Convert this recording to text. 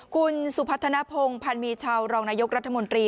คุณสุพัฒนภงพันธ์มีชาวรองนายกรัฐมนตรี